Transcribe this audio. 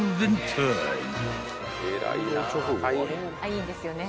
いいんですよね。